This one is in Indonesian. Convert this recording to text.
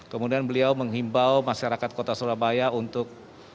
kemudian beliau menghimbau masyarakat kota surabaya untuk